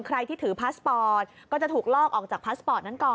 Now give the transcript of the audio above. ใครที่ถือพาสปอร์ตก็จะถูกลอกออกจากพาสปอร์ตนั้นก่อน